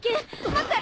待って！